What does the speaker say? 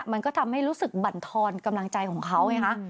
มันก็ทำให้รู้สึกบรรทอนกำลังใจของเขาไงคะ